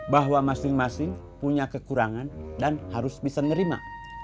bahwa masing masing punya kekurangan dan harus bisa nerima